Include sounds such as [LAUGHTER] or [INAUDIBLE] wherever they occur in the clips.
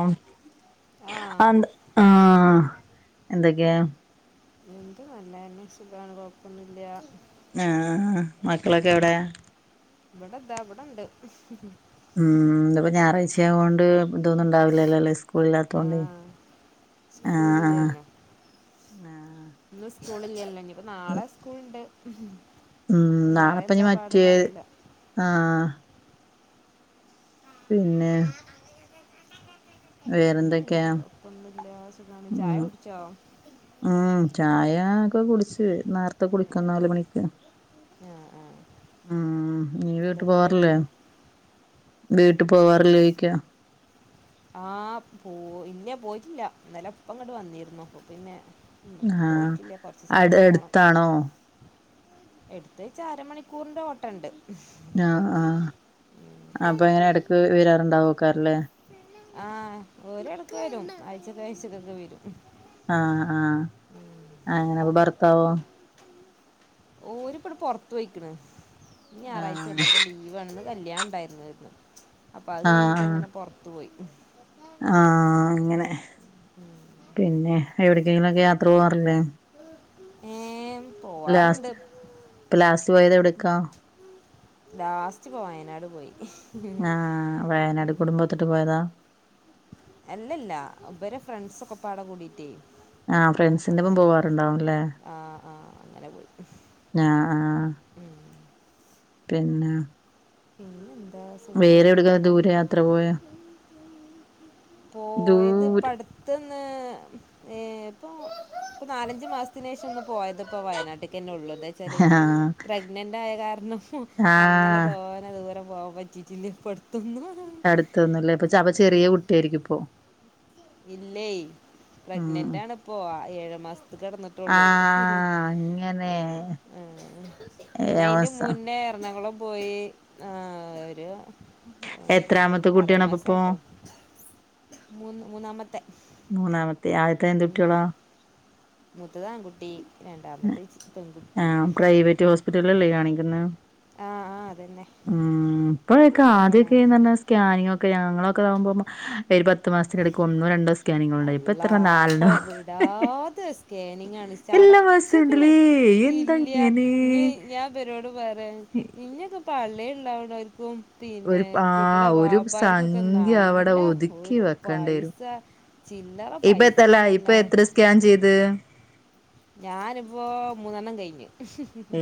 ആഹ് ആ ആന്താ ആഹ് എന്തെക്കെയാ എന്ത് നല്ലെ തന്നെ സുഖാണ് കൊഴപ്പൊന്നൂല്ല ആഹ് മക്കളൊക്കെ എവിടെ? ഇവിടെ ഇതാ ഇവിടെണ്ട് ഉം ഇന്നിപ്പോ ഞായറാഴ്ച്ച ആയോണ്ട് ഇതൊന്നും ണ്ടാവൂല്ലല്ലോ ല്ലേ ആ സ്കൂളില്ലാത്തോണ്ട് ആ ആ സ്കൂളില്ലല്ലോ ഇന്ന് സ്കൂളില്ലല്ലോ ഞ്ഞിപ്പോ നാളെ സ്കൂള് ണ്ട് ഉം ഉം നാളെഞ്ഞിപ്പൊ മറ്റേ ആ പിന്നെ വേറെന്തൊക്കെയാ പിന്നെന്താ കൊഴപ്പൊന്നുല്ല സുഖാണ് ഉം ചായുടിച്ചോ ഉം ചായ ഒക്കെ കുടിച്ച് നേരത്തെ കുടിക്കും നാല് മണിക്ക് ആ ആ ഉം നീ വീട്ട് എന്തെന്ന് കടി പോവാറില്ലേ വീട്ട് പോവാറില്ലേ ചോയ്ക്കാ ആ പോ ഇല്ല പോയിട്ടില്ല ഇന്നലെ ഇപ്പ ഇങ്ങട്ട് വന്നിരുന്നു അപ്പൊ പിന്നെ ഇന്ന് ആ പോയിട്ടില്ല അടെ എട്ത്താണോ എട്ത്ത്ച്ച അര മണിക്കൂറിന്റെ ഓട്ടണ്ട് ആ ആ അപ്പൊ ങ്ങനെ എടക്ക് വെരാറുണ്ടാവേക്കാരല്ലേ ആ ഓലെടക്ക് വെരും ആഴ്ചക്കാഴ്ചക്കൊക്കെ വെരും ആ ആ അങ്ങനെപ്പൊ ഭർത്താവോ ഓരിപ്പണ്ട് പൊർത്ത് പോയിക്ക്ണ് ഇന്ന് ഞാറാഴ്ചല്ലെ ആഹ് അപ്പൊ ലീവാണ് ന്ന് കല്യാണം ണ്ടായിര്ന്നോര്ന്ന് അപ്പൊ അത് ആഹ് കഴിഞ്ഞിട്ടങ്ങനെ പൊർത്ത് പോയി ആ അങ്ങനെ പിന്നെ എവിടെക്കെങ്കിലൊക്കെ യാത്ര പോവാറില്ലേ ഏ പോവാറുണ്ട് ലാസ്റ്റ് ഇപ്പൊലാസ്റ്റ് പോയത് എവിട്ക്കാ ലാസ്റ്റ് പോ വയനാട് പോയി ആ വയനാട് കുടുംമ്പൊത്ത്ട്ട് പോയതാ അല്ല ല്ലാ ഇവരെ ഫ്രണ്ട്സൊക്കെ പാടെ കൂടീട്ടേ ആഹ് പ്പൊ ഫ്രണ്ട്സിന്റെ ഒപ്പം അങ്ങനെ പോവാറുണ്ടാവുംല്ലേ ആ ആ അങ്ങനെ പോയി ആ ആ ഉം. പിന്നെ പിന്നെന്താ വേറെ സുഖാണ് എവിടക്കാ ദൂരെ കൊയപ്പൊന്നുല്ല യാത്ര പോയ പോയത് ദൂരെ ഇപ്പട് ത്ത്ന്ന് ഏ ഇപ്പോ ഇപ്പൊ നാലഞ്ച് മാസത്തിനേഷൊന്ന് പോയത് പ്പോ വയനാട്ട്ക്കെന്നെ ള്ളൂ എന്താ ച്ചല് ആഹ് പ്രഗ്നന്റായ കാരണം ഉം അങ്ങനെ ആഹ് തോനെ ദൂരം പോവാൻ പറ്റിട്ടില്ല ഇപ്പടുത്തൊന്നും അടുത്തൊന്നും ല്ലെ ചവ ചെറിയ കുട്ട്യാരിക്കുംപ്പോ ഇല്ലേ പ്രഗ്നന്റാണ്പ്പോ ഏഴാ മാസത്ത്ക്ക് കടന്ന്ട്ടൊള്ളൂ ആഹ് അങ്ങനെ ഉം ഉം ഏ പിന്നെ അയിന്റെ അവസ്ഥ മുന്നേ എറണാകുളം പോയി ആ ഒരു എത്രാമത്തെ ആറേഴ് കുട്ടിയാണ് അപ്പ ഇപ്പോ മാസായിട്ടൊള്ളൂ മൂന്നാമത്തെ മൂന്നാമത്തെ ആദ്യത്തെ എന്ത് കുട്ട്യാളാ മൂത്തത് ആൺകുട്ടി രണ്ടാമത്തത് പെൺകുട്ടി ആഹ് പ്രൈവറ്റ് ഹോസ് റ്റലിലല്ലെ കാണിക്ക്ന്നെ ആ ആ അതന്നെ ഉം ഇപ്പഴൊക്കെ ഇവിടെ വളാഞ്ചേരി ആദ്യക്കെഞ്ഞ സ് കാനിങൊക്കെ ഞങ്ങളൊക്കാകുമ്പോ ഒരു പത്ത് മാസത്തിന്റെടയ്ക്ക് ഒന്നോ രണ്ടോ സ് അള്ളാ ഇപ്പൊ വിടാത്ത സ്കാനിങ്ങാണ് എല്ലാ മാസവും ചടച്ച്ക്ക്ണ് ഉണ്ടല്ലേ ഇല്യാ എന്തങ്ങനെ ഇനി ഞാൻ പരോട് പറയാ ഇനിയൊക്കെ പള്ളേല്ണ്ടാവ്നോര്ക്കും ഒരു പിന്നെ ആഹ് കുട്ടിടെ ഒരു വാപ്പാര്ക്കൊക്കെ സംഖ്യ അവിടെ നല്ല ഒതുക്കി ഒരു വെക്കേണ്ടി വരും പൈസ ചില്ലറ ഇപ്പ എത്തല്ല പൈസൊന്നുഅല്ല ഇപ്പൊ എത്ര സ്കാൻ ചെയ്ത് ഞാനിപ്പോ മൂന്നെണ്ണം കഴിഞ് ഏ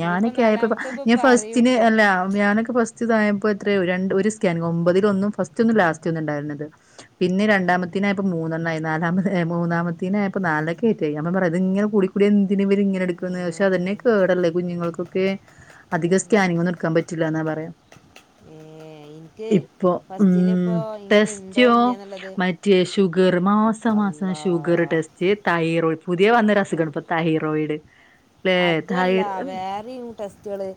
ഞാനൊക്കായപ്പൊ പ്പൊ ഇപ്പൊ ഞാൻ പറയും ഫസ്റ്റിന് ഇപ്പൊ അല്ല ഞാനൊക്കെ ഫസ്റ്റ് ച് തായപ്പോ എത്രെ ഒര രണ്ട് ഒരു സ്കാനിങ്‌ ഒമ്പതിലൊന്നും ഫസ്റ്റൊന്നും ലാസ്റ്റൊന്നും ണ്ടായിര്ന്നത് പിന്നെ ആ രണ്ടാമത്തിനയപ്പ മൂന്നെണ്ണായി നാലാമ ഏ മൂന്നാമത്തിനായപ്പ നാലൊക്കെ യ്റ്റായി അമ ളെ മറയ ഇത് ഇങ്ങനെ കൂടി ത് എന്തിനാ വര് ഇങ്ങനെടുക്ന്നെ പഷെ അതെന്നെ കേട ല്ലെ കുഞ്ഞുങ്ങൾക്കൊക്കെ അധിക സ്കാനിങ്ങോന്നും എട്കാൻ പറ്റൂലന്ന പറയാ. എനിക്ക് ഇപ്പൊ ഫസ്റ്റിൽ ഉം ഇപ്പോൾ എനിക്ക് ഉണ്ടോ ടെസ്റ്റോ ഇല്ല എന്നുള്ളത് മ ചേ ശുഗർ മാസം മാസം അല്ലാ ശുഗർ ടെസ്റ്റ്‌ തൈറോയ് പുതിയ വന്ന രസുഖണ് പ്പ ഹീറോയിഡ്. അതുഅല്ല വേറീ ടെസ്റ്റുകള്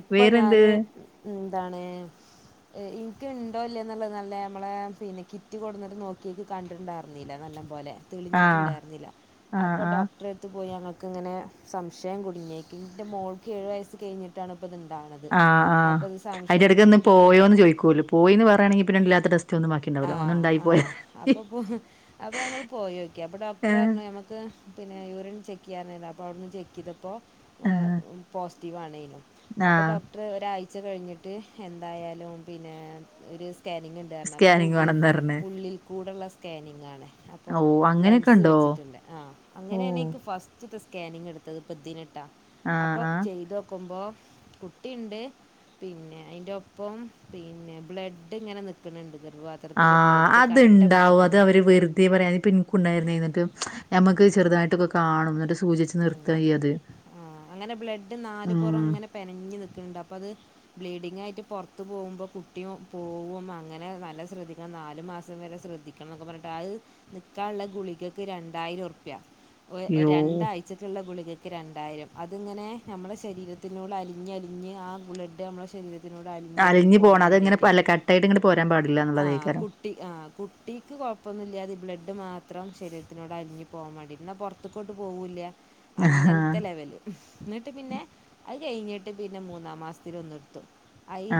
ഇപ്പൊ വേറെന്ത് ഞാന് ന്താണ്.? ഇൻക്ക് ണ്ടോല്ലേന്ന്ള്ളത് നല്ലേ മ്മളെ പിന്നെ കിറ്റ് കൊട്ന്നത് നോക്കി കണ്ട്ണ്ടാർന്നില നല്ല പോലെ. തെളിഞ്ഞിട്ട് ആഹ് ണ്ടായിര്ന്നില്ല ആഹ് അപ്പോ ആഹ് ഡോക്ടറെ എട്ത്ത് പോയി ഞങ്ങക്കിങ്ങനെ സംശയം കുടുങ്ങിയേക്കിൻ്റെ മോൾക്ക് ഏഴ് വയസ് കഴിഞ്ഞി ട്ടാണ് പ്പത് ണ്ടാവ്ണത് അപ്പൊ ഇത് സംശയം കുടുങ്ങിട്ട് പൊയ് ചോയ്കോ ല് പ് പോയിന്ന് പറയാണെങ്കി പ്പൊ ല്ലാത്ത ടെസ് ആഹ് ആഹ് അപ്പൊ പുഹ് അപ്പൊ ഞങ്ങള് പോയോക്കി അപ്പൊ ഡോക്ടറ് ആഹ് അർണ് മ്മളെ ക്ക് പിന്നെ യൂറിൻ ചെക്ക് ചെയ്യാനര് ന്ന് അപ്പൊ അവിട്ന്ന് ചെക്ക് തപ്പൊ ആ ആഹ് മ് പോസിറ്റീവ് ആണേനും അപ്പോ ആഹ് ഡോ ട്ട്റ് ഒരാഴ്ച കഴിഞ്ഞിട്ട് എന്തായാലും പിന്നെ ഒരു സ്കാനിങ്ങെ സ്കാനിങ്ങ് വേണം പറഞ് ഉള്ളിൽ കൂടെള്ള സ്കാനിങ്ങാണ് അപ്പൊ ഓഹ് അങ്ങനെയൊക്കെ ലെൻസ് ഉണ്ടോ വെച്ചിട്ടുണ്ട് ആഹ് അങ്ങനെണ് ഓഹ് ഇക്ക് ഫസ്റ്റ് തെ സ്കാനിങ് എട്ത്തത് പതിനെട്ടാ- ആഹ് അപ്പൊ ആഹ് ചെയ്തോക്കുമ്പോ കുട്ടിണ്ട് പിന്നെ അയ്ന്റോപ്പം പിന്നെ ബ്ലഡ് ഇങ്ങനെ നിക്ക്ണ് ണ്ട് [UNINTELLIGIBLE] ആ അത്ണ്ടാവും അത് അവര് വെറ്തെ പറയാ പിൻ ഉണ്ടായിര്ന്ന് ന്ന്ട്ട് ഞമ്മക്ക് ചെറുതായിട്ടൊക്കെ കാണും ന്ന്ട്ട് സൂചിച്ച മ് ആ അങ്ങനെ ബ്ലഡ് നാലപൊറം ഉം ഇങ്ങനെ പെനഞ്ഞ് നിക്ണ്ട് അപ്പൊ അത് ബ്ലീഡിങ് ആയിറ്റ് പൊർത്ത് പോമ്പോ കുട്ട്യഉ പോവുമ്പോ അങ്ങനെ നല്ല ശ്രദ്ധിക്ക നാലു മാസം വരെ ശ്രദ്ധി ക്കെ ന്നൊക്കെ പർണ് ട്ട് അഹ് നിക്കാള്ള ഗുളിക്ക് രണ്ടായിരം ഉറപ്യ ഒര് അയ്യോ ഒരണ്ടാഴ ചക്ക്ള്ള ഗുളികക്ക് രണ്ടായിരം അത്ങ്ങനെ ഞമ്മളെ ശരീരത്തിനോട് അലിഞ്ഞലിഞ്ഞ് ആ ബ്ലഡ്മ്മളെ ശരീര തിനോട് അലിഞ്ഞലിഞ്ഞ് അലിഞ്ഞു പോണം അതങ്ങനെ പോമാണ്ടിറ്റെ അല്ല കട്ടായിട്ട് ഇങ്ങട് പോരാൻ പാടില്ല ആഹ് കു എന്നുള്ളതേക്കാരം കുട്ടി ആ കുട്ടിക്ക് കൊഴപ്പമൊന്നുല്ലാതി ബ്ലഡ് മാത്രം ശരീരത്തിനോട് അലിഞ്ഞു പോ വേണ്ടി ന്ന പൊർ ത്ത്ക്കോട്ട് പോവൂല്ല്യ ആഹ് അങ്ങൻത്തെ ലെവല് മ് ഹ്. ന്ന്ട്ട് പിന്നെ അഹ് കെയ്ഞ്ഞിട്ട് പിന്നെ മൂന്നാം മാസ്ത്തില് ഒന്ന് എടുത്തു.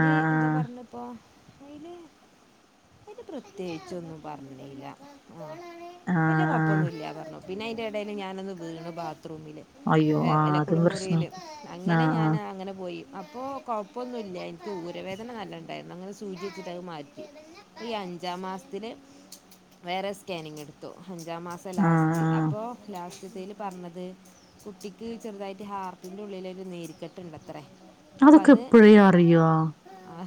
ആഹ് എന്താ ആഹ് പർണ് പ്പോ? ഐല് [UNINTELLIGIBLE] പ്രത്യേച്ചൊന്നും പറഞ്ഞില ആഹ് വെല്ല്യ ആഹ് കൊഴപ്പൊന്നുല്ല്യാ പർണു പിന്നെ അയിന്റെ എടെല് ഞാനൊന്ന് വീണ് ബാത്റൂമില്. അയ്യോ ആഹ് ങ്ങനെ അതും പ്രശ്ന ക്കുളുമൂറീല് അങ്ങനെ ആഹ് ഞാനാ അങ്ങനെ പോയി അപ്പോ കൊഴപ്പന്നുല്ല ൻക്ക് ഊരവേദന നല്ല ണ്ടായ്രുന്നു അങ്ങനെ സൂചിച്ചിട്ട അഹ് മാറ്റി. ഈ അഞ്ചാം മാസ്ത്തില് [INAUDIBLE] വേറെ സ്കേനിങ് എടുത്തു അഞ്ചാം മാസം ആഹ് ആഹ് ലാസ്റ്റ് ആഹ് അപ്പോ ലാസ്റ്റ് തേയ്ല് പർണത് കുട്ടിക്ക് ചെറുതായിട്ട് ഹാർട്ടിന്റെ ഉള്ളിലേക്ക് നീരിക്കെട്ട്ണ്ടത്രേ. അതൊക്കെ പ്പ്ളെ അറിയോ? ആ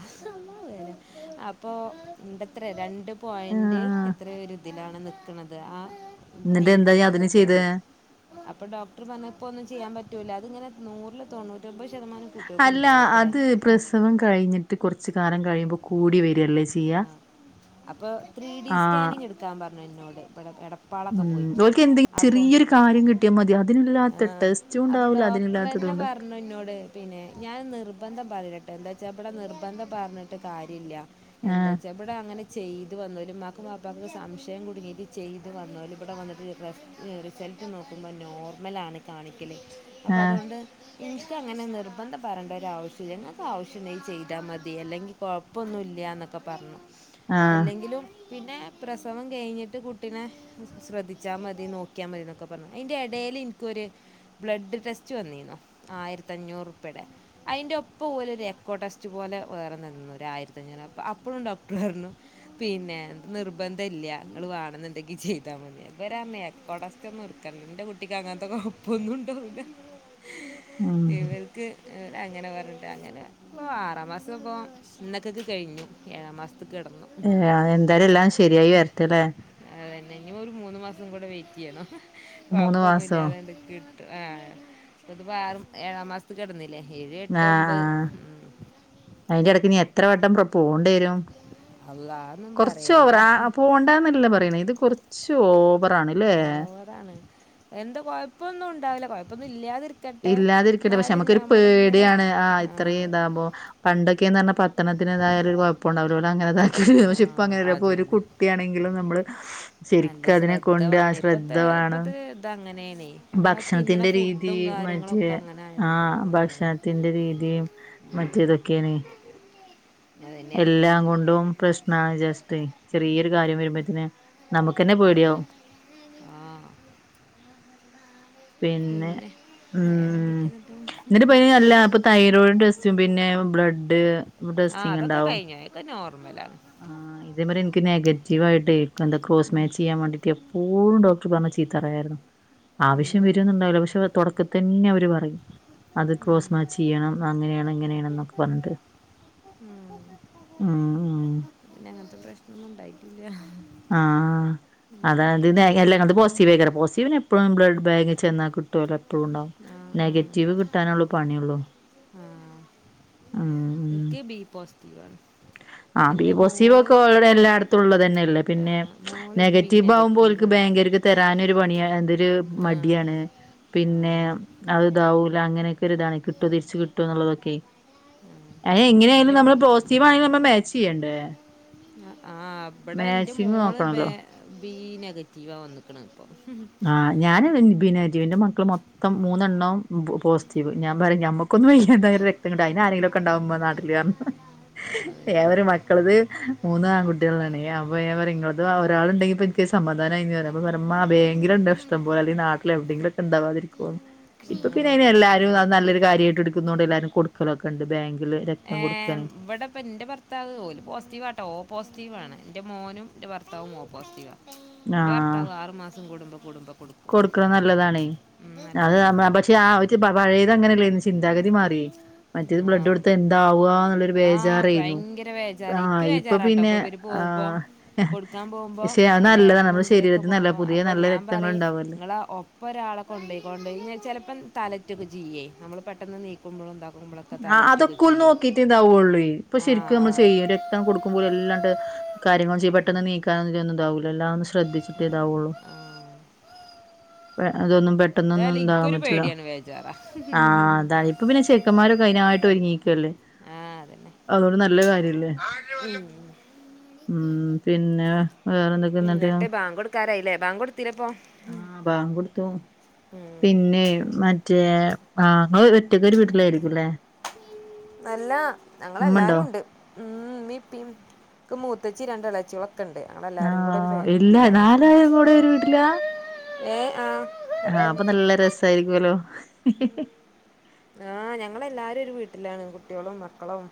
അപ്പൊ ണ്ടത്രെ രണ്ടും പോയന്റ് ആഹ് എത്രയൊരിതിലാണ് നിക്ക്ണത് ആ എന്നിട്ട് എന്താ ഇയ്യ് നീർക്കെട്ട് അതിന് ചെയ്തേ നിക്ക്ണത്. പ്പോ ഡോക്ടർ പർണെഹ് പ്പോ ഒന്നും ചെയ്യാ പറ്റൂലാ അതിങ്ങനെ നൂർള്ള് തൊണൂറ്റമ്പഹ് ശതമാനം കു അല്ല അത് പ്രസവം കഴിഞ്ഞിട്ട് കൊർച്ച് കാലം കഴിയുമ്പോ കൂടി വെരല്ലേ ചെയ്യാ? [INAUDIBLE] അപ്പോ ത്രീഡി ആഹ് സ്കാനിങ് എട്ക്കാൻ പറഞ്ഞ് ഇന്നോട് ഇപടെ എട ഹ്മ്മ് ഓൽകെന്തെങ്കിലും ചെറിയൊരു കാര്യം കിട്ടിയാ മതി, ആ അതിനില്ലാത്ത ടെസ്റ്റും ഇണ്ടാവുല അതിനില്ലാത്തതുണ്ടാവൂല മ്മ ഇന്നോട് പിന്നെ ഞാൻ നിർബന്ധം പറയില്ലട്ടോ എന്താച്ചാ ഇബടെ നിർബന്ധം പറഞ്ഞിട്ട് കാര്യല്ല. ആഹ് എന്താച്ചാ ഇവിടെ അങ്ങനെ ചെയ്തു വന്നോല് ഇമ്മാക്കും, വാപ്പാക്കൊക്കെ സംശയം കുടുങ്ങിയിട്ട് ചെയ്ത് വന്നോല് ഇവിടെ വന്നിട്ട് റെസ്റ്റ്നെരും. ഹെൽത്ത് നോക്കുമ്പോൾ നോർമലാണ് കാണിക്കല്. അപ്പൊ ആഹ് അതോണ്ട് ഇൻക്കങ്ങനെ നിർബന്ധം പറയണ്ട ഒരാവ്ശ്യുല്ല ഇങ്ങൾക്കാവ്ശ്യണ്ടെങ്കിൽ ചെയ്താൽ മതി അല്ലെങ്കിപോ പ്പൊന്നും ഇല്ല എന്നൊക്കെ പറഞ്ഞു. ആഹ് എല്ലങ്കിലും പിന്നെ പ്രസവം കഴിഞ്ഞിട്ട് കുട്ടിനെ ശ്രദിച്ചാൽ മതി നോക്കിയാ മതി എന്നൊക്കെ പറഞ്ഞു. അയിന്റെ എടേല് ഇൻക്കൊര് ബ്ലഡ് ടെസ്റ്റ് വന്നിരുന്നു. ആയിരത്തഞ്ഞൂറ്പ്പയുടെ അയിന്റൊപ്പം ഓലൊര് എക്കോ ടെസ്റ്റ് പോലെ വേറൊന്ന് തന്നു ഒരു ആയിരത്തിഞ്ഞൂറ് അപ്പ അപ്പളും ഡോക്ടർ പറഞ്ഞു പിന്നെ നിർബന്ധല്ല ഇങ്ങള് വാണംന്ന്ണ്ടെങ്കി ചെയ്താൽ മതി. ഇവരാ മേ കൊടസ്ഥതം നിർത്തണം ഇന്റെ കുട്ടിക്ക് അങ്ങനത്തെ കൊഴപ്പൊന്നുംണ്ടാവൂല ഉം ഇവൽ ക്ക് ഏഹ് അങ്ങനെ പറഞ്ഞിട്ട് അങ്ങനെ ഓഹ് ആറാം മാസം ഇപ്പം ഇന്നക്കക്ക് കഴിഞ്ഞു. ഏഴാം മാസത്ത്ക്ക് കടന്നു. ഏഹ് എന്തരെല്ലാം ശരിയായി വരട്ടെ ല്ലേ അതന്നെ ഇനി ഒരു മൂന്ന് മാസം കൂടെ വെയിറ്റെയ്യണം മൂന്ന് കൊഴപപ്പൊന്നും മാസോ ഇത് കിട്ട ആഹ് ഇതിപ്പോ ആറ് ഏഴാം മാസത്ത് കെടന്നില്ലേ. ഏഴ്, എട്ട്, ആഹ് ഒമ്പെ ആഹ് അയിന്റെ എടക്ക് ഇനി എത്ര വട്ടം പ്രൊ പോണ്ടെരും അള്ളാഹ് കൊറച്ച് ഓവറാ ആഹ് പോണ്ടന്നല്ല പറയ്ണെ ഇത് കൊറച്ച് ഓവറാണ് ല്ലേ അതാണ്. എന്താ കൊഴപ്പൊന്നും ഉണ്ടാവൂല, കൊഴപ്പൊന്നും ഇല്ലാതിരി ഇല്ലാതിരിക്കട്ടേ. പക്ഷെ നമക്കൊരു പേടിയാണ് ആഹ് ആ ഇത്രേം ഇതാവുമ്പോ പണ്ടൊക്കെന്ന് പറഞ്ഞാ പത്ത് പത്തണത്തിനെതായാലും ഒരു കൊഴപ്പണ്ടാവൂല്ല ഓലങ്ങനെതാക്കിയരും പക്ഷെ ഇപ്പം ആ അങ്ങനല്ല ഇപ്പൊരു അതന്നെ കുട്ടിയാണെങ്കിലും നമ്മള് നല്ല ശെരിക്കതിനെ ശ്രദ്ധ കൊണ്ട് ആഹ് വേണം. ശ്രദ്ധ ഇപ്പത്തെ വേണം. ഇപ്പത്തെ ഇതങ്ങനേണേ. നമ്മളാ തിന്നണ ഭക്ഷണത്തിന്റെ ഫുഡും രീതിയും മറ്റെ കാര്യങ്ങളൊക്കെ അങ്ങനെ ആയതുകൊണ്ട്. ആഹ് ഉം. ഭക്ഷണ ത്തിന്റെ രീതിയും, മറ്റേ ഇതൊക്കെണ്. അതന്നേണ് എല്ലാം പ്രശ്നം. കൊണ്ടും പ്രശ്നാണ് വിചാരിച്ചിട്ടെ ചെറിയൊര് കാര്യം വരുമ്പോത്തിന് നമുക്കന്നെ പേടിയവും. [INAUDIBLE] ആ. പിന്നെ വേറൊന്തെക്കെയാണ് ഇിന്നിട്ട്പ്പം ഈഹ് അല്ല അപ്പം തൈറോയിഡിന്റെ ടെസ്റ്റും, പിന്നെ ബ്ലഡ് ടെസ്റ്റിങ് ഇണ്ടാവും. ഏഹ് അതൊക്കെ നോർമലാണ്. ആഹ് ഇതേമാതിരി ഇനിക്ക് നെഗറ്റീവായിട്ടെ എന്താ ക്രോസ്മേചെയ്യാൻ വേണ്ടിട്ടെ എപ്പോഴും ഡോക്ടർ പറഞ്ഞ് ചീത്തറയായിരുന്നു. ആവശ്യം ഉം. വരുണ്ടാവില്ല, പക്ഷെ തൊടക്ക തന്നെ അവര് പറിം അത് ക്രോസ്മാച്ച് ചെയ്യണം അങ്ങനെണ് ഇങ്ങനെണ് എന്നൊക്കെ പറഞ്ഞിട്ട്. ആഹ് ആഹ് പിന്നങ്ങൻത്തെ പ്രശ്നൊന്നും ഇണ്ടായിട്ടില്ല. ആഹ് അതായത് നെ അല്ലഇങ്ങള്ത് പോസിറ്റീവേക്കാരം, പോസിറ്റീവിന് എപ്പളും ബ്ലഡ് ബാങ്കിൽ ചെന്നാ കിട്ടല്ലോ എപ്പളുണ്ടാവും. ആ ആ നെഗറ്റീവ് കിട്ടാനൊള്ളു പണിയൊള്ളൂ. ആഹ് ഉം ഇൻക്കി ബി പോസ്റ്റ്. [UNINTELLIGIBLE] ആ ബി പോസിറ്റീവ് ഒക്കെ ഓൾഡടി എല്ലാട്ത്തും ഉള്ളത് തന്നെയല്ലേ. ആ പിന്നെ മോള് ബി നെഗറ്റീവ് ആകുമ്പോ ഓൽക്ക് നെഗറ്റീവാണ്. ബെങ്കാര്ക്ക് തരനൊരു പണിയാ എന്തൊര് ആ മടിയാണ്. ആ പിന്നെ അത് ഇതാവൂല്ല. അങ്ങനെയൊക്കെ ഒരു ഇതാണ് കിട്ടോ തിരിച്ച് കിട്ടോ എന്നുള്ളതൊക്കെ അ എങ്ങനെയാലും എൻ്റെ നമ്മള് പോസ്സിറ്റിവ് ആണെങ്കില് നമ്മ മാച്ച് ചെയ്യണ്ടേ ആ അവിടെ എൻ്റെ മാച്ചിങ് മോള് വേ നോക്കണല്ലോ ബി നെഗറ്റീവാ വന്നേക്കണ് ഇപ്പം. ആ ഞാൻ ബിനേറ്റീവ് എന്റെ മക്കൾ മൊത്തം മൂന്നെണ്ണം പോസിറ്റീവ് ഞാമ്പറിംമ്മ ഒന്ന് വ്യ യ്യാണ്ടാതിരു രക്തംണ്ട അതിന് ആരെങ്കിലൊക്കെ ഉണ്ടാവുമ്പോള നാട്ടില്ർ ഞ്ഞ് അതന്നെ ഏവര് ആ മക്കളത് മൂന്ന് ആൺകുട്ടികളാണ് അപ്പൊ ഞാപറയും നിങ്ങളത് ഒരാളുണ്ടെങ്കി പി ക്കൊരുസമാധാനമായിരുന്ന് അപ്പൊ പറയ ഇമ്മബേഗ് എ ഗ്രണ്ടാഇഷ്ട പോലെ അല്ലെങ്കി നാട്ടില വിടെങ്കിലു ഒക്കെ ഉണ്ടാവാതിരിക്കൊഇപ്പോപിന്നെ അയ്തെല്ലാരും അതന്നെ നല്ല ദാര്യയിട്ട് ട്ക്ക് ണോണ്ട് എല്ലാരും കൊടുക്കലൊക്കെണ്ട് ബാങ്കില് ര ഏഹ് ഇവടപ്പം ഇന്റെ ഭർ ത്താവ് ഓല് പോസിറ്റിവാട്ടോ ഓ പോസിറ്റീവാണ് ഇന്റെ മോനും ഇന്റെ ഭർത്താവും ഓ പോസിറ്റിവാ ഇന്റെ ആഹ് ഭർത്താവ് ആറ് മാസം കൂടുമ്പം കൂടുമ്പം കൊടുക്കണത് നല്ലതാണേ അത് നല്ലതാണ് നമ്മ ക്ഷെ ആ ഒരുവപഴയത് അങ്ങനെയല്ലേന്നി ചിന്താഗതി മാറി മറ്റത് ആ ബ്ലഡ് ഒടുത്തഎന്താവുവാ എന്നുള്ളരു ആ ബേജാറായ്ന്നു ഭയങ്കര ആ ബേജാറ് ഇക്ക് ഇപ്പൊ ബേജാറാട്ടോ പിന്നെ ഇവര് പോകുമ്പോ ആഹ് കൊടുക്കാൻ പോകുമ്പോ ക്ഷ അത് ഏ, നല്ലതാണ് ലേബലും നമ്മുടെ ഇതിലൊക്കെ ശരീരത്തിൽ നല്ല പുതിയ നല്ല രക്തങ്ങ ള്ണ്ടാവല്ല അ ഒപ്പൊരാളെ കൊണ്ടയ് കൊളൊണ്ടിചിലപ്പം തലറ്റൊക്കെ ചെയ്യെ നമ്മൾ പെട്ടെന്ന് നീക്കുമ്പളും താക്കുമ്പ ആ അതൊക്കെ ഉന്ന് നോക്കിട്ട് ഇങ അതൊക്കോല് നോക്കിട്ട്ണ്ടാ കൊള്ളെ ഇപ്പൊ ആ ശെരിക്കും ആ നമ്മള് ചെയ്യും രക്തം കൊടുക്കുമ്പോല എല്ലാണ്ട് കാര്യങ്ങൾ ആ, ചെയ്യും ഉം, പെട്ടെന്ന് നീക്കാനൊന്നന്നും ഇതാവൂല എല്ലാ ഒന്ന് ശ്രദ്ധിച്ചിട്ടേതാവുള്ളു ആ അതൊന്നും പെട്ടെന്നൊന്നും എന്തായാലും ഇതാകാൻ ഇക്കൊരു പറ്റ്ല്ല പേടിയാണ് ബേജാറാ ആഅതാൽ ഇപ്പം പിന്നെ ചെയ് മാരൊക്കയ്നായിട്ട് ഒരുങ്ങിക്കല്ലേ ആ അതന്നെ അതൊണ്ട് നല്ല കാര്യല്ലേ ഉം. ഉം പിന്നെ വേറെന്തൊക്കെ എന്നിട്ട് ഇന്നട്ട് ബാങ്കോടക്കാരായില്ലേ ബാങ്കോടത്തിലെപ്പൊ ആ ബാങ്കൊടുത്തു പിന്നെ മറ്റ റ്റേ ആങ്ങളൊറ്റക്കൊരു വീട്ടിലായിരിക്കുംല്ലേ നല്ല ഉമ്മണ്ടോ ഞങ്ങളെല്ലാരും ണ്ട് ഉ മിം പിംക്ക് മൂത്തച്ചിരണ്ടളച്ചോള ക്കെണ്ട് അങ്ങളെല്ലാരും കൂടെ ഒരു ആഹ് ഫേ ഇല്ല തിലാണ് നാലാളും കൂടെ ഒരു ഏ ആ ആഅപ്പൊ ഞങ്ങള്- നല്ല രസായിരിക്കോലോ ആ ഞങ്ങളെല്ലാരും ഒരു വീട്ടിലാണ് കുട്ട്യേളും മക്കളും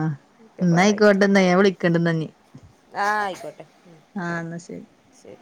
അ ഒക്കെ പാടായിട്ട് ഇന്നായ്ക്കോട്ടെന്ന വിളിക്കണ്ടന്നാഞ്ഞി ആ ആയിക്കോട്ടെ ശരി ശരി